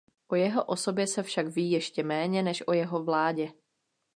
O jeho osobě se však ví ještě méně než o jeho vládě.